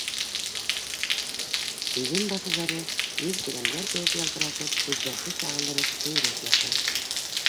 Иген баҫыуҙары, еҙ келәмдәр кеүек ялтырашып, күҙҙәрҙе сағылдырып көйрәп ята.